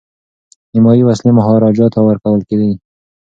نیمایي وسلې مهاراجا ته ورکول کیږي.